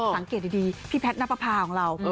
สังเกตดีพี่แพทนับภาพของเรา